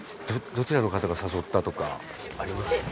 どちらの方が誘ったとかあります？